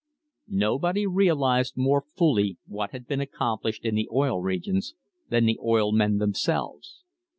Nobody realised more fully what had been accomplished in the Oil Regions than the oil men themselves.